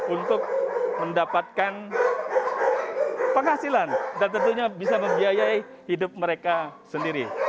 untuk mendapatkan penghasilan dan tentunya bisa membiayai hidup mereka sendiri